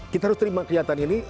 kita harus terima kelihatan ini